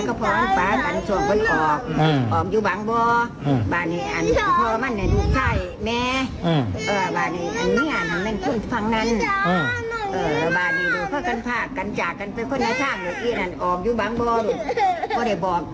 เขาจะหลังคุณไหนถึงคนเป็นทั้งคนอยากสืบช่างในการเห็นว่ามัน